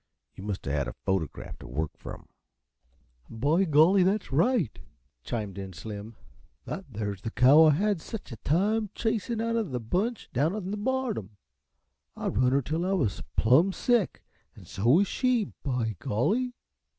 You must a had a photograph t' work from." "By golly, that's right," chimed in Slim. "That there's the cow I had sech a time chasin' out uh the bunch down on the bottom. I run her till I was plum sick, an' so was she, by golly.